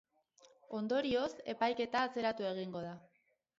Ondorioz, epaiketa atzeratu egingo da.